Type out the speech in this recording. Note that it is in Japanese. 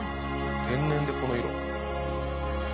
天然でこの色？